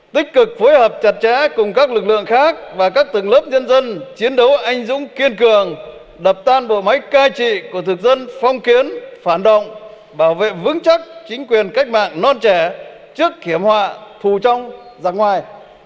tích cực phối hợp chặt chẽ cùng các lực lượng khác và các tầng lớp nhân dân chiến đấu anh dũng kiên cường đập tan bộ máy cai trị của thực dân phong kiến phản động bảo vệ vững chắc chính quyền cách mạng non trẻ trước hiểm họa phù trong giặc ngoài